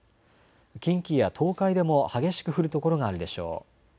近畿や東海でも激しく降る所があるでしょう。